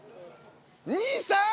兄さん！